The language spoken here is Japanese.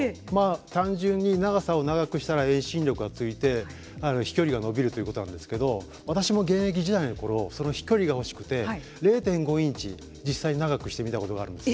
単純に長さを長くしたら遠心力がついて飛距離が伸びるということなんですけど私も現役時代のころ飛距離が欲しくて０．５インチ実際に長くしてみたことがあるんです。